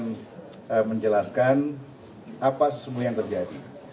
saya akan menjelaskan apa semua yang terjadi